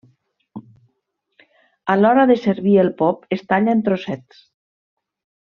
A l'hora de servir el pop es talla en trossets.